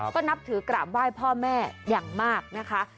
ก็นับถือกราบไหว้พ่อแม่อย่างมากนะคะ